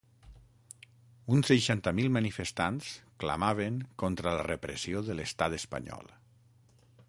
Uns seixanta mil manifestants clamaven contra la repressió de l’estat espanyol.